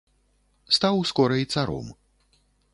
Стаў скора і царом.